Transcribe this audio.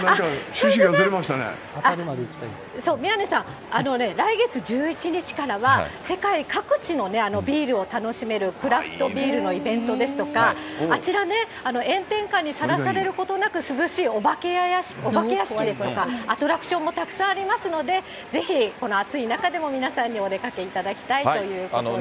そう、宮根さん、あのね、来月１１日からは、世界各地のビールを楽しめるクラフトビールのイベントですとか、あちらね、炎天下にさらされることなく涼しいお化け屋敷ですとか、アトラクションもたくさんありますので、ぜひこの暑い中でも皆さんにお出かけいただきたいということです。